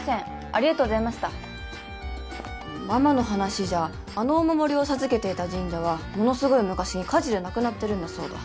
ありがとうございましたママの話じゃあのお守りを授けていた神社はものすごい昔に火事でなくなってるんだそうだ